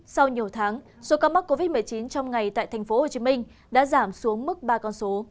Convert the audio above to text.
sau nhiều tháng số ca mắc covid một mươi chín trong ngày tại tp hcm đã giảm xuống mức ba con số